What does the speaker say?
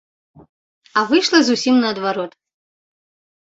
А выйшла зусім наадварот.